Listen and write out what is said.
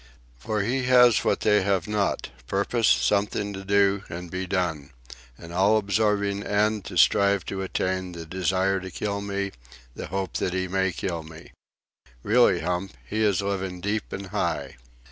For he has what they have not—purpose, something to do and be done, an all absorbing end to strive to attain, the desire to kill me, the hope that he may kill me. Really, Hump, he is living deep and high.